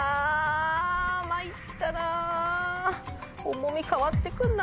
重み変わって来るな